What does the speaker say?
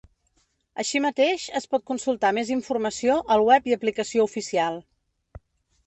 Així mateix, es pot consultar més informació al web i aplicació oficial.